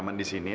ya nggak ada itu